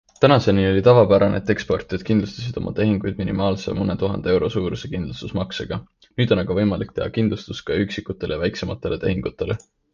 Tänaseni oli tavapärane, et eksportijad kindlustasid oma tehinguid minimaalselt mõne tuhande euro suuruse kindlustusmaksega, nüüd on aga võimalik teha kindlustus ka üksikutele ja väiksematele tehingutele.